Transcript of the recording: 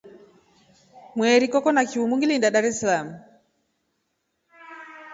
Mweri koko na chimu ngiliinda Darsalamu.